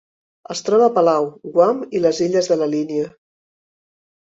Es troba a Palau, Guam i les Illes de la Línia.